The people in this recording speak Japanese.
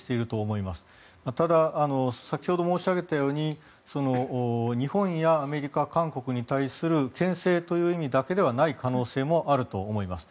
ただ、先ほど申し上げたように日本やアメリカ、韓国に対するけん制という意味だけではない可能性もあると思います。